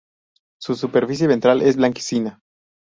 Su superficie ventral es blanquecina.